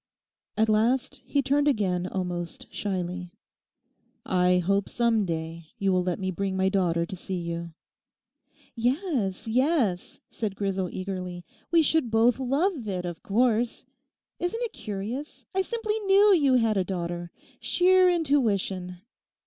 At last he turned again almost shyly. 'I hope some day you will let me bring my daughter to see you.' 'Yes, yes,' said Grisel eagerly; 'we should both love it, of course. Isn't it curious?—I simply knew you had a daughter. Sheer intuition!